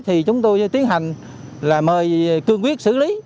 thì chúng tôi tiến hành là mời cương quyết xử lý